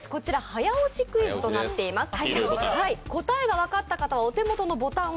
早押しクイズとなっています。